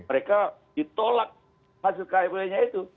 mereka ditolak hasil kfw nya itu